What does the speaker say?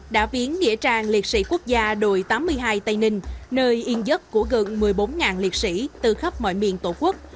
đã viếng nghĩa trang liệt sĩ quốc gia đội tám mươi hai tây ninh nơi yên dấp của gần một mươi bốn liệt sĩ từ khắp mọi miền tổ quốc